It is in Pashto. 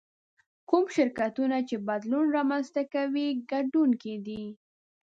کوم شرکتونه چې بدلون رامنځته کوي ګټونکي دي.